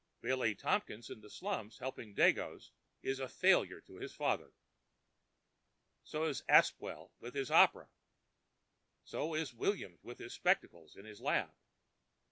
Billy Tompkins, in the slums helping dagoes, is a failure to his father—so is Aspwell with his opera—so is Williams with his spectacles in his lab.